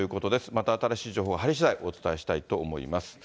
また新しい情報入りしだい、お伝えしたいと思います。